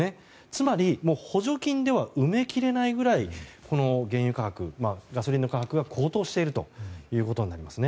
つまり、補助金では埋めきれないくらいガソリン価格が高騰しているということです。